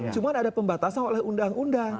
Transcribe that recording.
cuma ada pembatasan oleh undang undang